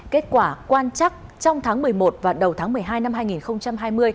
kết quả quan chắc trong tháng một mươi một và đầu tháng một mươi hai năm hai nghìn hai mươi